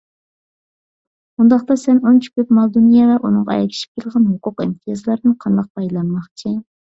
ئۇنداقتا سەن ئۇنچە كۆپ مال - دۇنيا ۋە ئۇنىڭغا ئەگىشىپ كېلىدىغان ھوقۇق - ئىمتىيازلاردىن قانداق پايدىلانماقچى؟